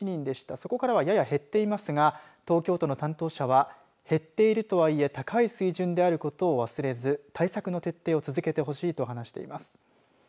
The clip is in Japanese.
そこからはやや減っていますが東京都の担当者は減っているとはいえ高い水準であることを忘れず対策の徹底を続けてほしいと話しています。